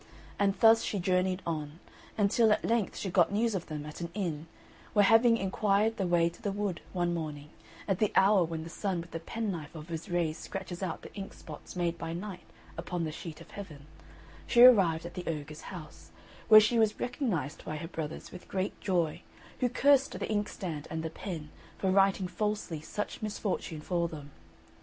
And thus she journeyed on, until at length she got news of them at an inn, where having enquired the way to the wood, one morning, at the hour when the Sun with the penknife of his rays scratches out the inkspots made by Night upon the sheet of Heaven, she arrived at the ogre's house, where she was recognised by her brothers with great joy, who cursed the inkstand and the pen for writing falsely such misfortune for them.